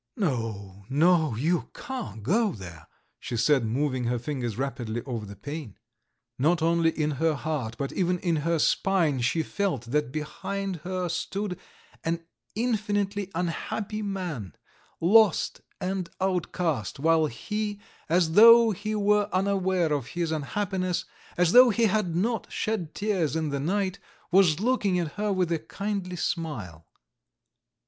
"No, no, you can't go there," she said, moving her fingers rapidly over the pane. Not only in her heart, but even in her spine she felt that behind her stood an infinitely unhappy man, lost and outcast, while he, as though he were unaware of his unhappiness, as though he had not shed tears in the night, was looking at her with a kindly smile.